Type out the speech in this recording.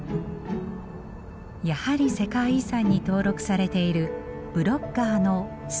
やはり世界遺産に登録されているブロッガーのストーンサークルです。